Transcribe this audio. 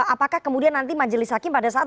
apakah kemudian nanti majelis hakim pada saat